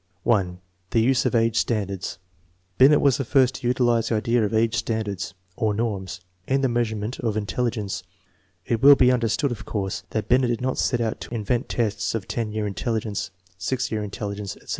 1. The NM of aye tttaudardi*, Binet was the first to utilise the idea of a^e standards, or norms, in the measurement of intelligence, Lt will bo understood, of course, that Binet did not set out to invent tests of 10 year intelligence, (> year intelligence, etc.